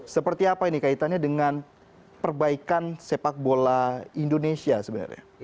seperti apa ini kaitannya dengan perbaikan sepak bola indonesia sebenarnya